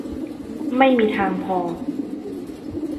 ไม่มีทางพอ